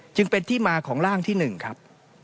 จึงเป็นที่มาของร่างที่๑ครับ